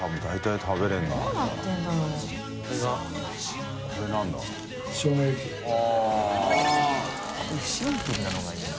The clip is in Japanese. こういうシンプルなのがいいな。